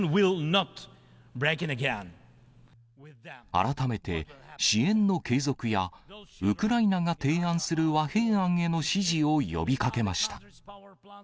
改めて、支援の継続やウクライナが提案する和平案への支持を呼びかけました。